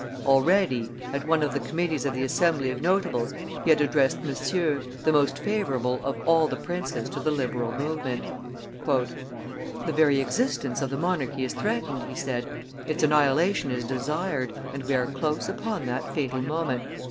Already, at one of the committees of the Assembly of notables, he had addressed Monsieur, the most favorable of all the princes to the liberal movement. "The very existence of the monarchy is threatened," he said, "its annihilation is desired, and we are close upon that fatal moment.